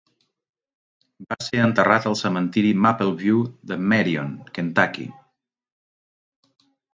Va ser enterrat al cementiri Mapleview de Marion, Kentucky.